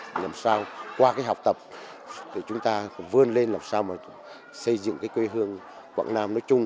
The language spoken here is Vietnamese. để làm sao qua cái học tập để chúng ta vươn lên làm sao mà xây dựng cái quê hương quảng nam nói chung